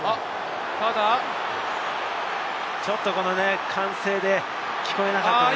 ちょっと歓声で聞こえなかったですね。